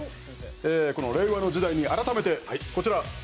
この令和の時代に改めてこちら。